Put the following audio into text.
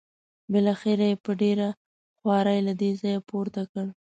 بالاخره یې په ډېره خوارۍ له دې ځایه پورته کړ.